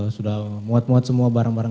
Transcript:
sudah muat muat semua barang barang